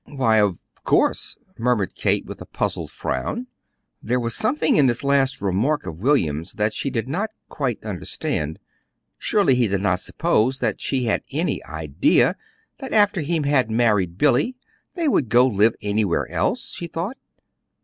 "Why, of course," murmured Kate, with a puzzled frown. There was something in this last remark of William's that she did not quite understand. Surely he could not suppose that she had any idea that after he had married Billy they would go to live anywhere else; she thought.